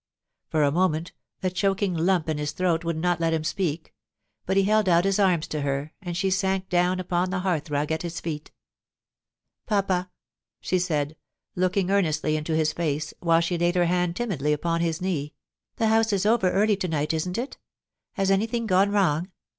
For a moment a choking lump in his throat would not let him speak, but he held out his arms to her, and she sank down upon the hearthrug at his feet * Papa,' she said, looking earnestly into his face, while she laid her hand timidly upon his knee, * the House is over early to night, isn't it ? Has anything gone wrong